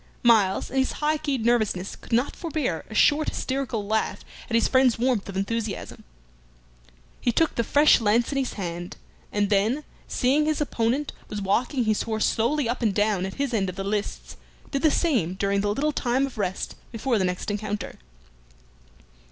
Myles, in his high keyed nervousness, could not forbear a short hysterical laugh at his friend's warmth of enthusiasm. He took the fresh lance in his hand, and then, seeing that his opponent was walking his horse slowly up and down at his end of the lists, did the same during the little time of rest before the next encounter.